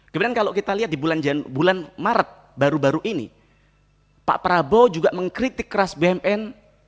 kemudian kalau kita lihat di bulan maret baru baru ini pak prabowo juga mengkritik keras bumn